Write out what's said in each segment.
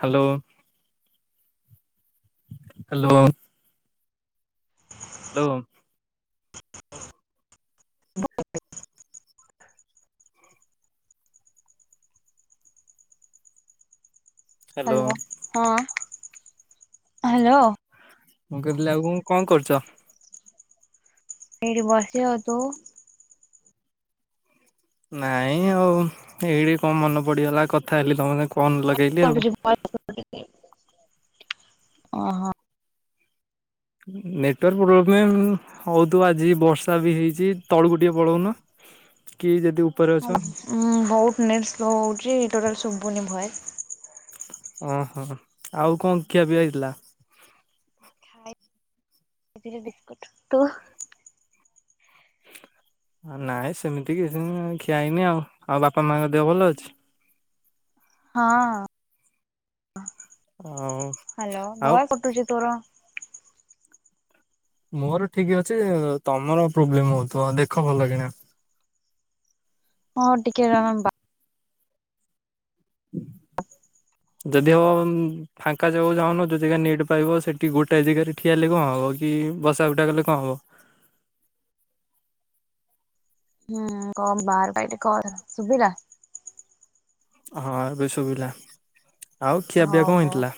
Hello. Hello. Hello. [unintelligible] Hello hello ହଁ। Hello. ମୁଁ କହିିଲି ଆଉ କଣ କଣ କରୁଛ? ଏଇଠି ବସିଚି ଆଉ ତୁ? ନାଇଁ ଆଉ ଏଇଠି କଣ ମନେ ପଡିଗଲା କଥା ହେଲି ତମସାଙ୍ଗ କୁ [inaudible] ଓହୋ। ଉ ନେଟୱାର୍କ ପ୍ରୋବ୍ଲେମ ଉଁ ହଉଥିବ ତ ଆଜି ବର୍ଷା ବି ହେଇଛି ତଳୁକୁ ଟିକେ ପଳଉନ। କି ଯଦି ଉ ହଁ ଉଁ ବହୁତ ନେଟ ସ୍ଲୋ ହଉଛି ଟୋଟାଲ ଶୁଭୁନି ଭଏସ। ଓହୋ ଆଉ କଣ ଖିଆ ପିଆ ହେଇଥିଲା? ଖାଇଥିଲି ବିସ୍କୁଟ ତୁ? [unintelligible] ନାଇଁ ସେମିତି କିଛି ନାଇ ଖିଆ ହେଇନି ଆଉ ଆଉ ବାପା ମାଙ୍କ ଦେହ ଭଲ ଅଛି? ହଁ ଆଉ ହାଲୋ ଆଉ ଭଏସ କଟୁଛି ତୋର। ମୋର ଠିକ ଅଛି ତମର ପ୍ରୋବ୍ଲେମ ହଉଥିବ ଦେଖ ଭଲ କିଣା। ହଁ ଟିକେ ତମ ବା [unintelligible] ଯଦି ହବ ଉଁ ଫାଙ୍କା ଜାଗାକୁ ଯାଉନ ଯୋଉ ଜାଗା ରେ ନେଟ୍ ପାଇବ ସେଠି ଗୋଟାଏ ଜାଗାରେ ଠିଆ ହେଲେ କଣ ହବ କି କି ବଶା ଉଠା କଲେ କଣ ହବ? ହୁଁ କହ ବାହାରକୁ ଆଇଲି କର ଶୁଭିଲା? ହଁ ଏବେ ଶୁଭିଲା। ଆଉ ଖିଆପିଆ ହଉ କଣ ହଉ ହେଇଥିଲା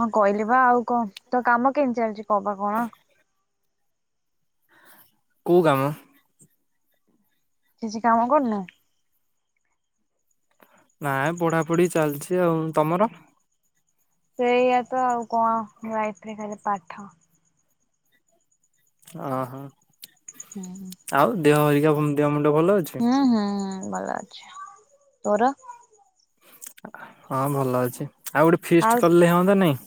ହଁ କହିଲି ବା ଆଉ କଣ ତୋ କାମ କେମିତି ଚାଲିଚି? କ ବା କଣ? କୋଉ କାମ? କିଛି କାମ କରୁନୁ? ନାଇଁ ପଢାପଢି ଚାଲିଛି ଆଉ ତମର? ସେଇଆ ତ ଆଉ କଣ ଲାଇଫରେ ଖାଲି ପାଠ। ଓହୋ ହୁଁ ଆଉ ଦେହ ହରିକା ଉଁ ଦେହ ମୁ ହୁଁ ହୁଁ ଭଲ ଅଛି ତୋର? ହଁ ଭଲ ଅଛି ଆଉ ଗୋଟେ ଆଉ ଫିଷ୍ଟ କଲେ ହଅନ୍ତା ନାଇଁ?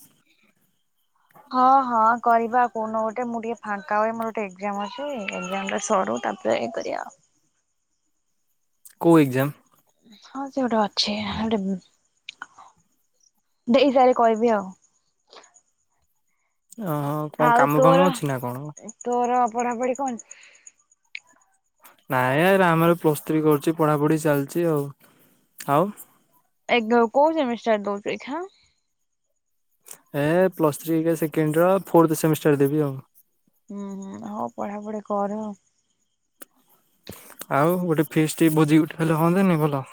ହଁ ହଁ କରିବା ଆଉ କୋଉଦିନ ଗୋଟେ ମୁଁ ଟିକେ ଫାଙ୍କା ହୁଏ ମୋର ଗୋଟେ ଏକ୍ଜାମ ଅଛି ଏକ୍ଜାମଟା ସରୁ ତାପରେ ଇଏ କରିଆ ଆଉ। [inaudible] କୋଉ ଏକ୍ଜାମ? ହଁ ସେ ଗୋଟେ ଅଛି ଗୋଟେ ଉଁ। ଦେଇସାରେ କହିବି ଆଉ। ଓହୋ କଣ ଆଉ କାମ ଫାମ ତୋର ଅଛି ନା କଣ ଉଁ ତୋର ପଢାପଢି କଣ? ନାଇଁ ରା ମୋର ପ୍ଲସ୍ ଥ୍ରୀ କରୁଛି ପଢାପଢି ଚାଲିଛି ଆଉ ଆଉ। ଏ କୋ-କୋଉ ସେମିଷ୍ଟାର୍ ଦଉଚୁ ଏଖାଁ? ଏ ପ୍ଲସ ଥ୍ରୀର ସେକେଣ୍ଡ ଇୟର ଫୋର୍ଥ ସେମିଷ୍ଟର ଦେବି ଆଉ। ହୁଁ ହୁଁ ହଉ ପଢାପଢି କର। ଆଉ ଗୋଟେ ଫିଷ୍ଟି ଭୋଜି ଗୋଟେ ହେଲେ ହଅନ୍ତାନି ଭଲ?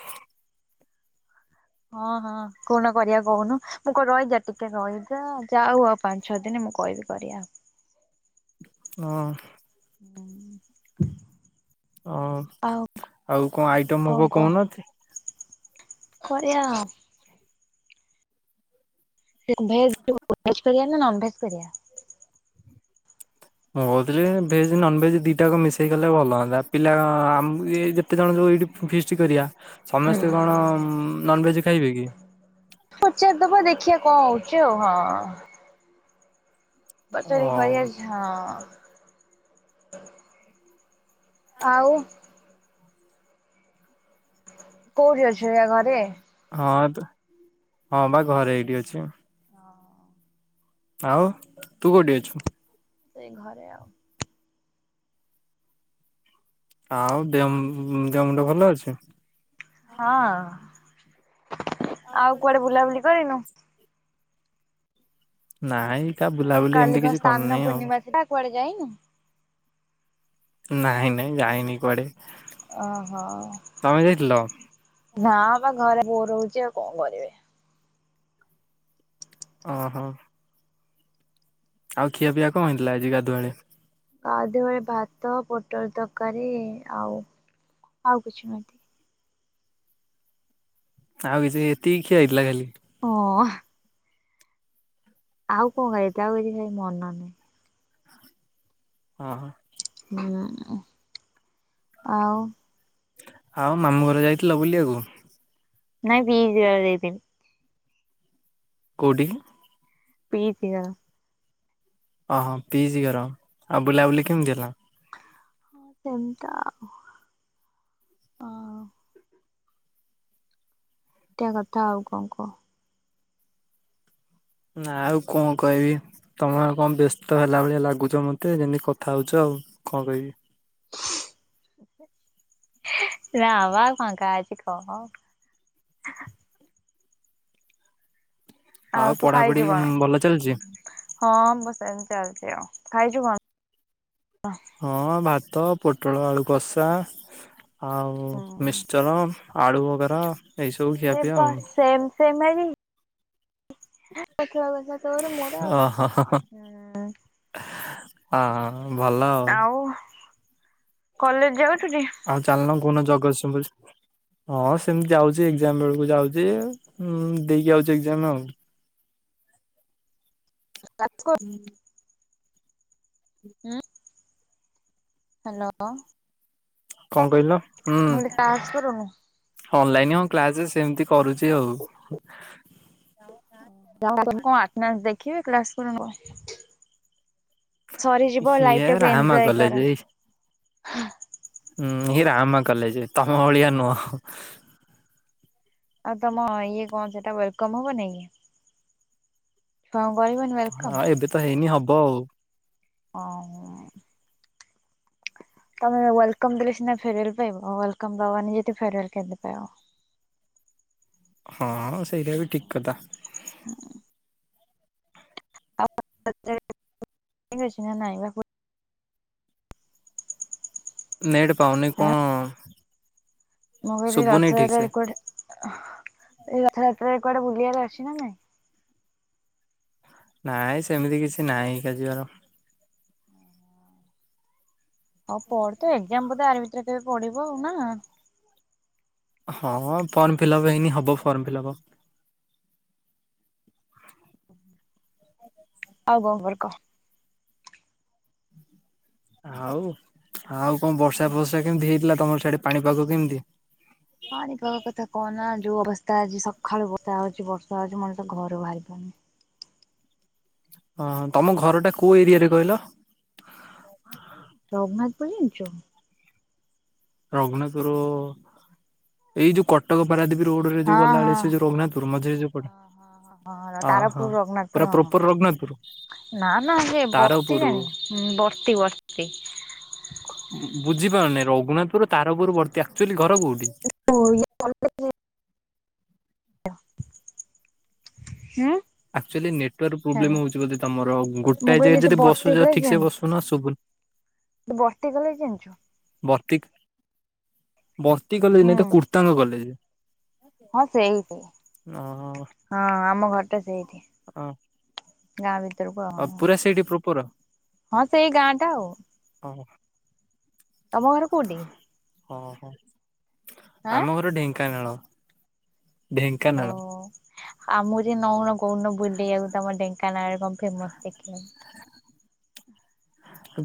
ହଁ ହଁ କଉଦିନ କରିବା କହୁନୁ ମୁଁ କଣ ରହିଯା ଟିକେ ରହିଯା ଯାଉ ଆଉ ପାଞ୍ଚ ଛଅ ଦିନ ମୁଁ କହିବି କରିବା ଆଉ। [inaudible] ନା। ହୁଁ। ହ ଆଉ କଣ ଆଇଟମ ହବ କହୁନାନ୍ତି? କରିଆ ଆଉ। ସେ କୁ ଭେଜ ଭେଜ କରିଆ ନା ନନ ଭେଜ କରିବା? ମୁଁ କହୁଥିଲି ଭେଜ ନନ ଭେଜ ଦିଟାକ ମିଶେଇ କଲେ ଭଲ ହନ୍ତା ପିଲା ଯେତେ ଜଣ ଯୋଉ ଏଇଠି ଫିଷ୍ଟ କରିବା ସମସ୍ତେ କଣ ନନଭେଜ ଖାଇବେ କି? ପଚାରିଦବା ଦେଖିବା କଣ ହୋଉଛି ଆଉ ହଁ ଓ ପଚାରୀକି କହିଆ ହଁ ଆଉ? କୋଉଠି ଅଛ ଏଇଆ ଘରେ ହଁ ହଁ ତ ହଁ ବା ଘରେ ଏଇଠି ଅଛି। ଆଉ ତୁ କୋଉଠି ଅଛୁ? ସେଇ ଘରେ ଆଉ। ଆଉ ଦେହ ମୁ ଦେହ ମୁଣ୍ଡ ଭଲ ଅଛି? ହଁ ଆଉ କୁଆଡେ ବୁଲାବୁଲି କରିନୁ? ନାଇଁ କା ବୁଲାବୁଲି କାଲି ଏମିତି କଣ କିଛି ସ୍ନାନ କରୁନାହିଁ ଆଉ। ପୂର୍ଣ୍ଣିମା ଥିଲା କୁଆଡେ ଯାଇନୁ? ନାଇଁ ନାଇଁ ଯାଇନି କୁଆଡେ। ଓହୋ ତମେ ଯାଇଥିଲ ନା ବା ଘରେ ବୋର ହୋଉଛି ଆଉ କଣ କରିବି? ଅ ହୋ। ଆଉ ଖିଆ ପିଆ କଣ ହେଇଥିଲା ଆଜି ଗାଧୁଆଳେ? ଗାଧବେଳେ ଭାତ ପୋଟଲ ତରକାରୀ ଆଉ ଆଉ କିଛି ନୁହଁ ଏତିକି। ଆଉ କିଛି ଏତିକି ଖିଆ ହେଇଥିଲା ଖାଲି? ହଁ। ଆଉ କଣ ଖାଇ ତ ଆଉ କିଛି ଖାଇ ମନ ନାହିଁ। ହଁ ହୋ ନାଇ ଆଉ ଆଉ ମାମୁଁ ଘର ଯାଇଥିଲ ବୁଲିବାକୁ? ନାଇଁ ବିଗ ଯ ଯାଇଥିନି। କୋଉଠିକି? ପିଇସୀ ଘର। ଓହୋ ପିଇସି ଘର। ଆଉ ବୁଲାବୁଲି କେମିତି ହେଲା? ହଁ ସେମତି ଆଉ ହ ଏମତିଆ କଥା ଆଉ କଣ କୁହ? ନା ଆଉ କଣ କହିବି ତମେ କଣ ବ୍ୟସ୍ତ ହେଲା ଭଳିଆ ଲାଗୁଛ ମତେ ଯେମିତି କଥା ହଉଛ ଆଉ। ଉ କଣ କହିବି? ଆ ନାବା ଫାଙ୍କା ଅଛି କହୁନ? ଆଉ ତୁ ପଢାପଢି ଖାଇଛୁ କଣ? ଭଲ ଚାଲିଛି? ହଁ ବସ ଏମିତି ଚା ଚି ଆଉ। ଖାଇଛୁ କଣ? ହଁ ଭାତ ପୋଟଳ ଆଳୁ କଷା ଆଉ ହୁଁ ମିକ୍ସଚର। ଆଳୁ ବଗାର ଆରେ ବାଃ ସେମ୍ ସେମ ଆଜି। ପୋଟଳ କସା ତୋର ମୋର ଆଉ। ଓହୋ ହୁଁ। ହଁ ଭଲ ଆଉ। କଲେଜ ଯାଉଛୁ ଯେ ଗରସିମୁଲ ହଁ ସେମିତି ଯାଉଛି ଏକ୍ଜାମ ବେଳକୁ ଯାଉଛି ଦେଇକି ଆଉଛି ଏକ୍ଜାମ ଆଉ। ତାକ ହଁ। ହ୍ୟାଲୋ। କଣ କହିଲ? ହୁଁ। ମୁଁ କହିଲି କ୍ଲାସ କରୁନୁ ଅନଲାଇନ ହଁ କ୍ଲାସ ସେମିତି କରୁଛି ଆଉ। [inaudible] କଣ୍ ଆଟନାନ୍ସ ଦେଖିବି କ୍ଲାସ କର ସରିଯିବ ଇଏ ଲାଇଫ ଟାକୁ ରାହାମା ଏଞଜୟ କଲେଜ କର। ଏଇ ହୁଁ ଏଇ ରାହାମା କଲେଜ ତମ ଭଳିଆ ନୁହଁ। ଆଉ ତମ ଇଏ କଣ ସେଟା ୱେଲକମ ହବନି କି? ହଉ ହଁ ଏବେ ତ ହେଇନି ହବ ଆଉ। ହଁ। ତମେ ୱେଲକମ ଦେଲେ ସିନା ଫେର୍ୱେଲ ପାଇବ ଆଉ ୱେଲକମ ଦବନି ଯଦି ଫେରୱଲ କେମିତି ପାଇବ? ହଁ ସେଇଟା ବି ଠିକ କଥା। [inaudible] ଆଛି ନା ନାଇଁ ବା? ନେଟ ପାଉନି କଣ ମୋ ଘରେ ଶୁଭୁନି ରଥ ଠିକ ସେ। ଯାତ୍ରାରେ କୁଆଡ଼େ ହ ଏ ରଥ ଯାତ୍ରାରେ କୁଆଡ଼େ ବୁଲିବାକୁ ଅଛି ନା ନାଇଁ? ନାଇଁ ସେମିତି କିଛି ନାଇଁ ଏକା ଯିବାର। ହଉ ପଢ, ତୋ ଏକ୍ସାମ ବୋଧେ ଆରି ଭିତରେ କେବେ ପଡ଼ିବ ଆଉ ନା? ହଁ ଫର୍ମ ଫିଲପ୍ ହେଇନି ହବ ଫର୍ମ ଫିଲପ୍ । ଆଉ କଣ୍ ଖବର କହ। ଆଉ ଆଉ କଣ ବର୍ଷା ଫର୍ଷା କେମିତି ହେଇଥିଲା ତମର ସିଆଡ଼େ ପାଣିପାଗ କେମିତି? ପାଣିପାଗ କଥା କହନା ଯୋଉ ଅବସ୍ଥା ଆଜି ସଖାଳୁ ବର୍ଷା ହଉଛି ବର୍ଷା ହଉଛି ମଣିଷ ଘରୁ ବାହାରି ପାରୁନି । ହଁ ତମ ଘର ଟା କୋଉ ଏରିଆରେ କହିଲ? ରଘୁନାଥକୁ ଚିହ୍ନିଛୁ? ରଘୁନାଥପୁରୁ ଏଇ ଯୋଉ କଟକ ପାରାଦୀପ ରୋଡ ରେ ଯୋଉ ହଁ ହଁ। ଗଲାବେଳେ ସେ ଯଉ ରଘୁନାଥପୁରୁ ମଝିରେ ଯଉ ପଡ଼େ? ହଁ ହଁ ତାରପୁର ରଘୁନାଥପୁର ପୁରା ହଁ ପ୍ରୋପର ରଘୁନାଥପୁର? ନା ନା ସେ ବର୍ତ୍ତି ତାରପୁର ଜାଣିଚି ବର୍ତ୍ତି ବର୍ତ୍ତି । ବୁଝିପାରୁନି ରଘୁନାଥପୁର, ତାରପୁର, ବର୍ତ୍ତି ଆକ୍ଚୁଆଲି ଘର କୋଉଠି? [inaudible] ଉଁ? ଆକଚୁଆଲି ନେଟୱାର୍କ ପ୍ରୋବ୍ଲେମ ହଉଛି ବଧେ ତମର ଆଉ, ମୁଁ ଗୋଟାଏ କହିଲି ଜାଗା ତୁ ଯଦି ବର୍ତ୍ତି ବସୁଛ କଲେଜ ଠିକ ସେ ଜାଣିଛୁ ବସୁନ ସୁଭୁନି ତୁ ବର୍ତ୍ତି କଲେଜ ଜାଣିଛୁ? ବର୍ତ୍ତି ବର୍ତ୍ତି କଲେଜ ନାଇଁ ହୁଁ ତ କୁର୍ତ୍ତାଙ୍ଗ କଲେଜ । ହଁ ସେଇଠି, ହଁ ଆମ ଘରଟା ସେଇଠି । ଓ । ଗାଁ ଭିତରକୁ ଆଉ, ହଁ ସେଇ ଗାଁ ଟା ଆଉ। ହଁ ହଁ। ତମ ଘର କୋଉଠି ଓ ହୋ ଆଁ ଆମ ଘର ଢେଙ୍କାନାଳ । ଓ ଢେଙ୍କାନାଳ । ଆମକୁ ଜେ ନଉଣ କୋଉଦିନ ବୁଲେଇବାକୁ ତମ ଢେଙ୍କାନାଳରେ କଣ ଫେମସ ଦେଖିବା।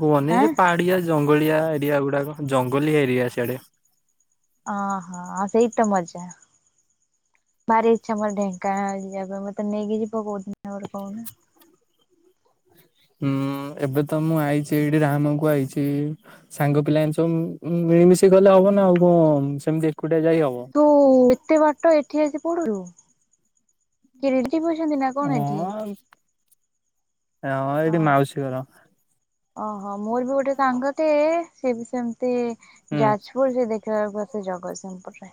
କୁହନି ଆଁ ସେ ପାହାଡିଆ ଜ ଙ୍ଗଳିଆ ଏରିଆ ଗୁଡ଼ାକ ଜଙ୍ଗଲିଆ ଏରିଆ ସିଆଡ଼େ । ଅ ହଁ ଆଉ ସେଇତ ମଜା। ଭାରି ଇଚ୍ଛା ମୋର ଢେଙ୍କାନାଳ ଯିବା ପାଇଁ, ମତେ ନେଇକି ଯିବ କୋଉଦିନ ଗୋଟେ କହୁନ? ହୁଁ ଏବେ ତ ମୁଁ ଆଇଛି ଏଇଠି ରାହାମକୁ ଆଇଛି ସାଙ୍ଗ ପିଲା ଏମିତି ସବୁ ମିଳିମଶି ଗଲେ ହବ ନା ଆଉ କଣ ସେମିତି ଏକୁଟିଆ ଯାଇ ହବ। ତୁ ଏତେ ବାଟ ଏଠି ଆସି ପଢ଼ୁଲୁ, କିଏ ରିଲେ ଟିଭ୍ ଅଛନ୍ତି ନା କଣ ହଁ। ଏଠି, ହଁ ଏଇଠି ଅହ। ମାଉସୀ ଘର ଓହୋ ମୋର ବି ଗୋଟେ ସାଙ୍ଗଟେ ସେଏ ବି ସେମତି ସେ ହୁଁ ଯାଜପୁର, ସେ ଦେଖିଲା ବେଳକୁ ଆସି ଜଗତସିଂହପୁରରେ।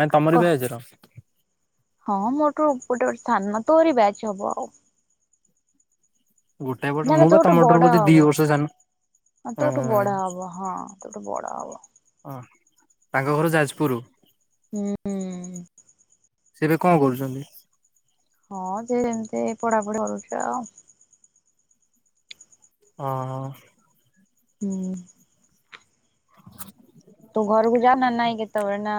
ନାଇ ତମରି କ ବ୍ୟାଚର । ହଁ ମୋଠୁ ଗୋଟେ ଗୋଟେ ସାନ ତୋରି ବ୍ୟାଚ୍ ହବ ଆଉ। ଗୋଟେ ବର୍ଷ ନା ନା ମୁଁ ବା ତୋଠୁ ତମଠାରୁ ବଡ଼ ବୋଧେ ଦି ହବ ବର୍ଷ ସାନ ତୋଠୁ ବଡ଼ ହଁ ହବ ହଁ। ତୋ ଠୁ ବଡ଼ ହବ। ହଁ ତାଙ୍କ ଘର ଯାଜପୁର । ହୁଁ। ସେ ଏବେ କଣ କରୁଛନ୍ତି? ହଁ ସେ ଏମତି ପଢାପଢି କରୁଛି ଆଉ । ଓ ହୋ। ହୁଁ। ତୁ ଘରକୁ ଯାଉ ନା ନାଇଁ କେତେବେଳେ ନା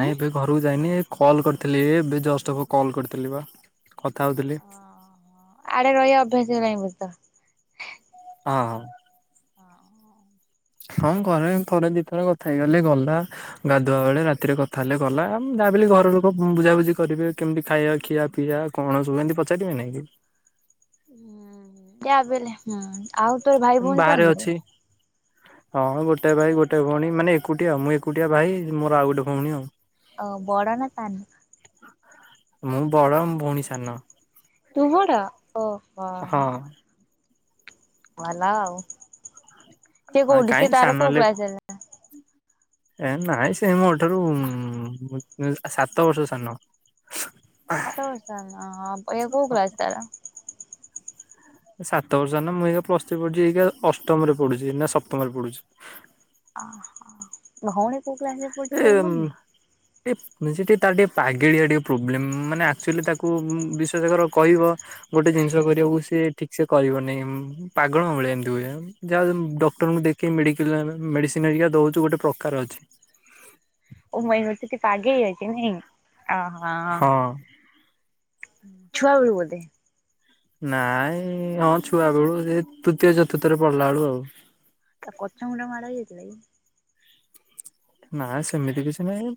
ଉଁ ଏବେ ଘରକୁ ଯାଇନି କଲ କରିଥିଲି ଏବେ ଜଷ୍ଟ ହବ କଲ କରିଥିଲି ବା । ଓହୋ ଆଡ଼େ ରହିବା ଅଭ୍ୟାସ ହେଇଗଲାଣି ବୋଧେ ତୋର। ହଁ ହଁ। ହଁ ଘରେ ଥରେ ଦିଇଥରେ କଥା ହେଇଗଲେ ଗଲା ଗାଧୁଆ ବେଳେ ରାତିରେ କଥା ହେଲେ ଗଲା। ତା ବିଲ ଘର ଲୋକ ବୁଝାାବୁଝି କରିବେ କେମିତି ଖାଇବା ଖିଆ ପିଆ କଣ ସବୁ ଏମିତି ପଚାରିବେ ନାଇଁ କି? ହ ଯାହାବି ହେଲେ ଆଉ ତୋର ଭାଇ ଭଉଣୀ ବାହାରେ କଣ କି? ଅଛି। ହଁ ଗୋଟେ ଭାଇ ଗୋଟେ ଭଉଣୀ ମାନେ ଏକୁଟିଆ ମୁଁ ଏକୁଟିଆ ଭାଇ ମୋର ଆଉ ଗୋଟେ ଭଉଣୀ ଆଉ। ଓ ବଡ ନା ସାନ? ମୁଁ ବଡ ମୋ ଭଉଣୀ ସାନ। ତୁ ବଡ଼? ହଁ। ଭଲ ଆଉ ସେ କଉଠି କାହିଁ ସେ ସାନ ତାର କୋଉ ହେଲେ କ୍ଲାସ ହେଲା? ଏ ନାଇଁ ସେ ମୋ ଠାରୁ ସାତ ବର୍ଷ ସାନ। ଏଇନା କୋଉ କ୍ଲାସ ତାର? ସାତ ବର୍ଷ ହେନେ ମୁଁ ଏଇ ପ୍ଲସ ଥ୍ରୀ ପଢୁଛି ଏଇା ଅଷ୍ଟମରେ ପଢୁଛି ନା ସପ୍ତମ ରେ ପଢୁଛି। ଅହୋ ଭଉଣୀ କୋଉ କ୍ଲାସରେ ପଢୁଛି ତାର ମନେ ନାହିଁ? ସେ ଟିକି ତାର ଟିକେ ପାଗେଳିଆ ଟିକେ ପ୍ରୋବ୍ଲେମ ମାନେ ଆଚୁଆଲି ତାକୁ ବିଶେଷକ କହିବ ଗୋଟେ ଜିନିଷ କରିବାକୁ ସେ ଠିକ ସେ କରିବନି ପାଗଣ ଭଳି ଏମିତି ହୁଏ ଯାହା ଡକ୍ଟର ଦେଖେ ମେଡିସିନ ଦଉଛୁ ଗୋଟେ ପ୍ରକାର ଅଛି। ଓ ମଇନଛି ଆଗେ ଅଛି ନାଇଁ ଅ ହ ହଁ ଛୁଆ ବେଳୁ ବୋଧେ? ନାଇଁ ହଁ ଛୁଆ ବେଳୁ ଏ ତୃତୀୟ ଚତୁର୍ଥରେ ପଡିଲା ବେଳୁ ଆଉ। ତା ପଛ ମୁଣ୍ଡ ମାଡ ହେଇଯାଇଥିଲା କି? ନା ସେମିତି କିଛି ନାହିଁ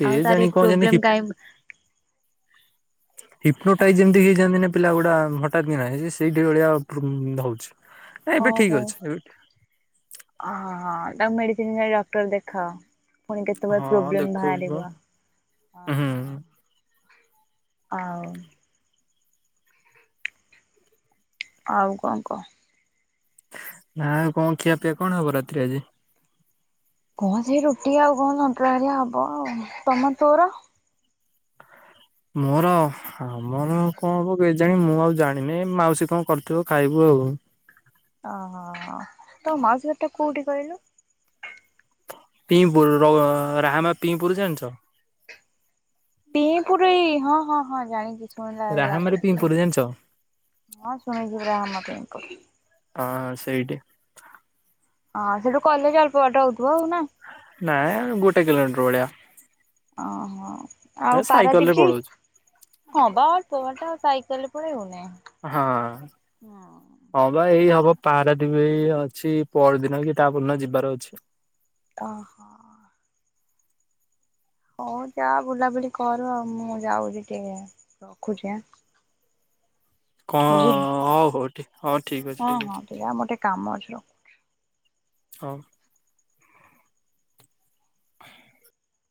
କେ ଆଉ ତାର ଜାଣିି କଣ ଜାଣି ପ୍ରୋବ୍ଲେମ କାଇଁ ହିପନୋଟାଇ ଯେମିତି ହେଇଯାଆନ୍ତି ନା ପିଲା ଗୁଡା ହଟାତ୍ ନାହିଁ ସେଇଠି ଭଳିଆ ହଉଛି। ଓହୋ ହଁ ହଁ। ତାକୁ ମେଡ଼ିସିନ ଯ ଡକ୍ଟର ଦେଖାଅ। ଫୁଣି କେତେବେଳେ ହଁ ପ୍ରୋବ୍ଲେମ୍ ଦେଖଉଛି ବା ବାହାରିବ? ହୁଁ। ଆଉ ଆଉ କଣ କହ? ନା କଣ ଖିଆ ପିଆ କଣ ହବ ରାତିରେ ଆଜି? କହ ସେ ରୁଟି ଆଉ କଣ ସନ୍ତୁଲା। ହ। ମୋର ଆମର କଣ ହବ ଜାଣି ମୁଁ ଆଉ ଜାଣିନି ମାଉସୀ କଣ କରିଥିବ ଖାଇବୁ ହଉ। ଓହୋ ତୋ ମାଉସୀ ଘର ଟା କୋଉଠି କହିଲୁ? ପିପୁର ର ରାହାମା ପିହପୁରଛ। ପଁ ପୁର ଏଇ ହଁ ହଁ ହଁ ଜାଣିଛି। ଶୁଣିଲା ରାହାମାରେ ଲାଗୁଛି ପିମ୍ପୁର ଜାଣିଛ? ହଁ ଶୁଣିଯିବ ଆମ ପାଇଁଙ୍କୁ ହଁ ସେଇଠି। ହଁ ସେଠୁ କଲେଜ ଅଳ୍ପ ବାଟ ହଉଥିବ, ଆଉ ନା ରଳ [unintelligible] ଓହୋ, ଆଉ ରେ ପାରାଦୀପ ପଳଉଛୁ କି--? ହଁ ବା, ଅଳ୍ପ ବାଟ ଆଉ ସାଇକେଲରେ ପଳେଇବୁନି । ହଁ, ହଁ ବା, ଏଇ ହବ ପାରାଦୀପ ଏଇ ଅଛି, ପରଦିନ କି ତାପର ଦିନ ଯିବାର ଅଛି । ହ ହୋ ହଉ ଯା ବୁଲାବୁଲି କର, ଆଉ ମୁଁ ଯାଉଛି ଟିକେ ରଖୁଛି କଣ ବୁଝିଲୁ। ଆ [unintelligible] ହଁ ହଁ ମୋର ଟିକେ କାମ ଅଛି, ର ହଁ। [inaudible]